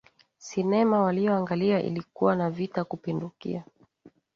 Sinema waliyoangalia ilikuwa na vita kupindukia